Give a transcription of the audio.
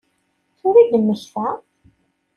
Tura i d-temmekta?